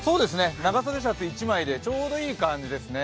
長袖シャツ１枚でちょうどいい感じですね。